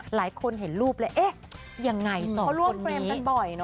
หลายคนเห็นรูปเลยเอ๊ะยังไงสองคนนี้เพราะร่วมเฟรมกันบ่อยเนอะ